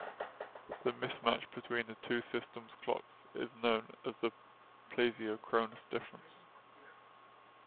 The mismatch between the two systems' clocks is known as the plesiochronous difference.